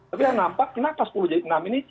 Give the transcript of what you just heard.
tapi yang nampak kenapa sepuluh jadi enam ini